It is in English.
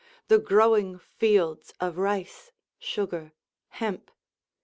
the growing fields of rice, sugar, hemp!